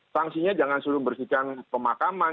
sanksinya jangan suruh bersihkan pemakaman